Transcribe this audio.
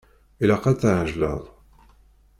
Ilaq ad tɛejleḍ.